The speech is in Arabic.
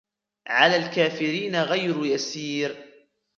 على الكافرين غير يسير